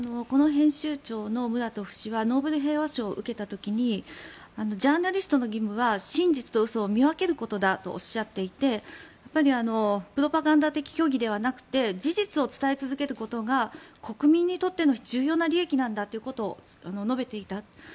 この編集長のムラトフ氏がノーベル平和賞を受けた時にジャーナリストの義務は真実と嘘を見分けることだとおっしゃっていてやっぱりプロパガンダ的虚偽ではなくて事実を伝え続けることが国民にとっての重要な利益なんだということを述べていた。